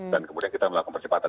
dan kemudian kita melakukan percepatan